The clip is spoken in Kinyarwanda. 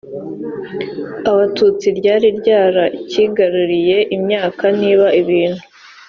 abatutsi ryari ryarakigaruriye imyaka niba ibintu